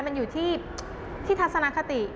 มันอยู่ที่ทัศนคติ